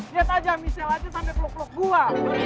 lihat aja mishal aja sampe peluk peluk gua